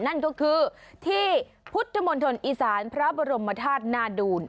นั่นก็คือที่พุทธมณฑลอีสานพระบรมธาตุนาดูล